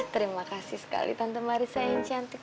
terima kasih sekali tante marisa yang cantik